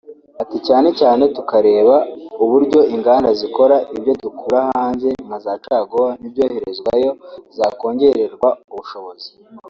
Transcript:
Ati “Cyane cyane turareba uburyo inganda zikora ibyo dukura hanze nka za caguwa n’ibyoherezwayo zakongererwa ubushobozi